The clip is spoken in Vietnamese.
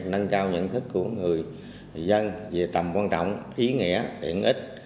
nâng cao nhận thức của người dân về tầm quan trọng ý nghĩa tiện ích